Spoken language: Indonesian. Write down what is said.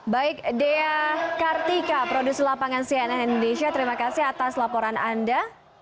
baik dea kartika produser lapangan cnn indonesia terima kasih atas laporan anda